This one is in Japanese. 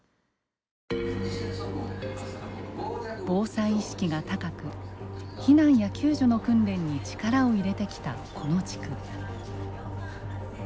防災意識が高く避難や救助の訓練に力を入れてきた、この地区。